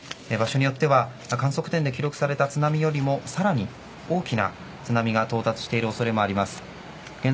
場所によっては、観測点で記録された津波よりもさらに大きな津波が到達している恐れもあります。